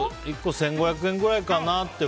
１個１５００円くらいかなって。